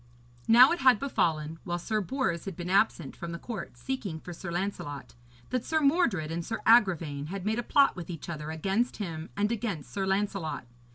Now it had befallen, while Sir Bors had been absent from the court seeking for Sir Lancelot, that Sir Mordred and Sir Agravaine had made a plot with each other against him and against Sir Lancelot.